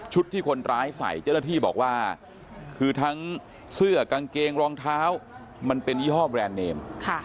ที่คนร้ายใส่เจ้าหน้าที่บอกว่าคือทั้งเสื้อกางเกงรองเท้ามันเป็นยี่ห้อแบรนด์เนม